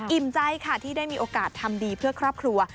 ใจค่ะที่ได้มีโอกาสทำดีเพื่อครอบครัว